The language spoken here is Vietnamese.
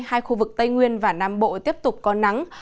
hai khu vực tây nguyên và nam bộ tiếp tục có nắng